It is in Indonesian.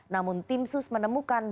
namun tim sus menemukan